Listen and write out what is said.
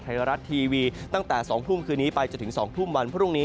ไทยรัฐทีวีตั้งแต่๒ทุ่มคืนนี้ไปจนถึง๒ทุ่มวันพรุ่งนี้